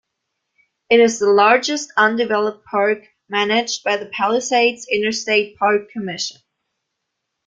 It is the largest undeveloped park managed by the Palisades Interstate Park Commission.